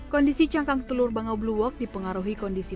kondisi cangkang telur bangau blue walk dipengaruhi kondisi